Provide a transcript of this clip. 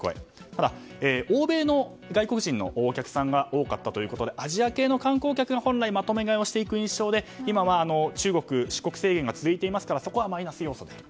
ただ、欧米の外国人のお客さんが多かったということでアジア系の観光客が本来、まとめ買いをする印象で今は中国で出国制限が続いていますからそこはマイナス要素だと。